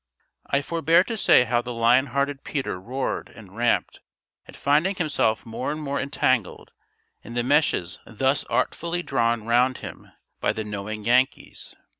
I forbear to say how the lion hearted Peter roared and ramped at finding himself more and more entangled in the meshes thus artfully drawn round him by the knowing Yankees.